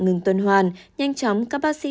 ngừng tuần hoàn nhanh chóng các bác sĩ